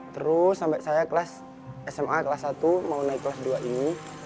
terus sampai saya kelas sma kelas satu mau naik kelas dua ini